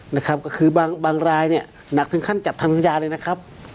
นะครับก็คือบางรายเนี่ยหนักถึงขั้นจัดทำสัญญาเลยนะครับ